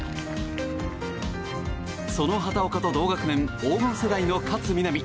その畑岡と同学年黄金世代の勝みなみ。